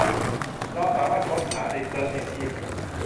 เราสามารถค้นหาในเสิร์ชเอ็นจิ้น